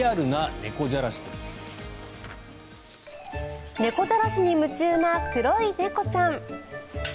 猫じゃらしに夢中な黒い猫ちゃん。